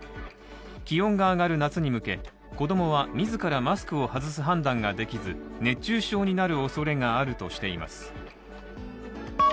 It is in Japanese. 気温が上がる夏に向け、子供は自らマスクを外す判断ができず熱中症になるおそれがあるとしています。